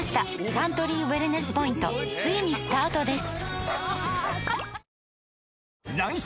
サントリーウエルネスポイントついにスタートです！